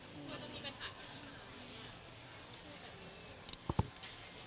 คุณค่ะคุณค่ะ